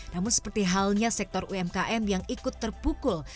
namun seperti halnya sektor umkm yang ikut terpukul